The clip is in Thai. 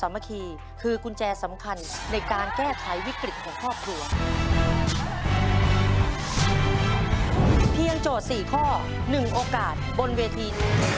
เพียงโจทย์๔ข้อ๑โอกาสบนเวที